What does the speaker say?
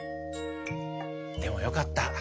でもよかった。